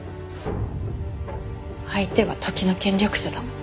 相手は時の権力者だもん。